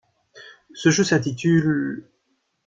Ce jeu s’intitule '.